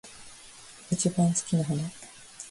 一番好きな花